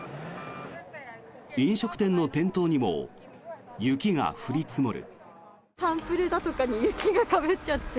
飲食店の店頭にも雪が降り積もる。